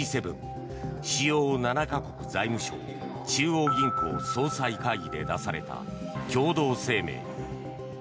・主要７か国財務相・中央銀行総裁会議で出された共同声明。